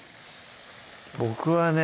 僕はね